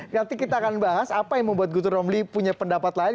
nanti kita akan bahas apa yang membuat gutur romli punya pendapat lain